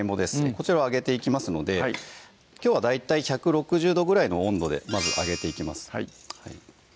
こちらを揚げていきますのできょうは大体１６０℃ぐらいの温度でまず揚げていきます